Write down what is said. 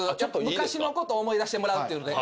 昔のこと思い出してもらうっていうので。